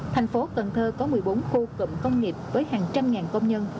thành phố cần thơ có một mươi bốn khu cụm công nghiệp với hàng trăm ngàn công nhân